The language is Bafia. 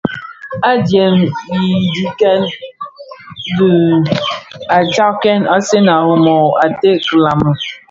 Adyèm i dhikèn dü di nshaaktèn; Asèn a Rimoh a ted kilami.